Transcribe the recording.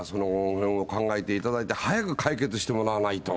考えていただいて、早く解決してもらわないと。